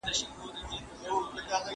نظري پوښتنې د پېښو علت بیانوي.